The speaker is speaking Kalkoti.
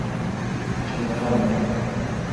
چو مرال اؙن ما دا۔